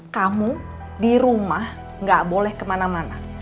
kamu di rumah gak boleh kemana mana